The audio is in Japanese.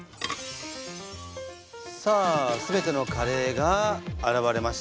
さあ全てのカレーが現れました。